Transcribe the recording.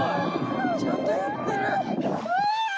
ちゃんとやってる。